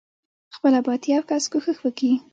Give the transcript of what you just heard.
خپله بايد يو کس کوښښ وکي.